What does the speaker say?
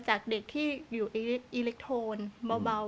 จากเด็กที่อยู่อิเล็กโทนเบา